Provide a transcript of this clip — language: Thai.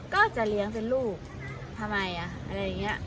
ก็จะเลี้ยงเป็นลูกทำไมอะไรอย่างนี้